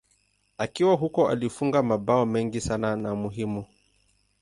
Akiwa huko alifunga mabao mengi sana na muhimu.